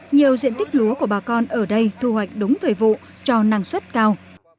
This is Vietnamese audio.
nhiều diện tích lúa của bà con ở đây thu hoạch đúng thời vụ cho năng suất cao